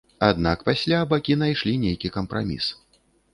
Аднак пасля бакі найшлі нейкі кампраміс.